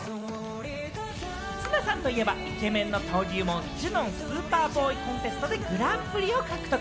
綱さんといえばイケメンの登竜門、ジュノン・スーパーボーイ・コンテストでグランプリを獲得。